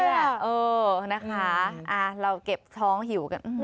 เออนะคะเราเก็บท้องหิวกัน